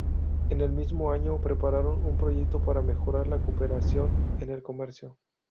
En el mismo año, prepararon un proyecto para mejorar la cooperación en el comercio.